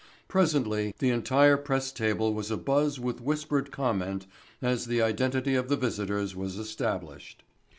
Presently the entire press table was abuzz with whispered comment as the identity of the visitors was established.